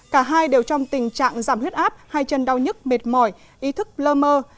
cả hai đều trong tình trạng giảm huyết áp hai chân đau nhức mệt mỏi ý thức lơ mơ